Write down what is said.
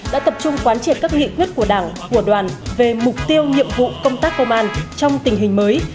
đã tập trung quán triệt các nghị quyết của đảng của đoàn về mục tiêu nhiệm vụ công tác công an trong tình hình mới